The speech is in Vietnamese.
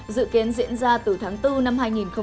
dự kiến diễn ra từ tháng bốn năm hai nghìn một mươi tám